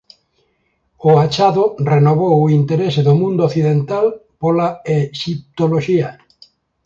O achado renovou o interese do mundo occidental pola exiptoloxía.